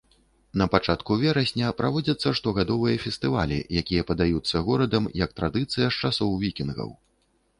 Напачатку верасня праводзяцца штогадовыя фестывалі, якія падаюцца горадам як традыцыя з часоў вікінгаў.